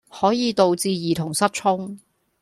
可以導致兒童失聰